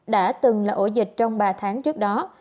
đã từng là ổ dịch trong ba tháng trước đó